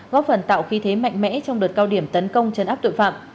góp phần tạo khí thế mạnh mẽ trong đợt cao điểm tấn công chấn áp tội phạm